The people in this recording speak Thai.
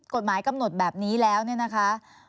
กฎหมายกำหนดแบบนี้แล้วเนี่ยนะคะ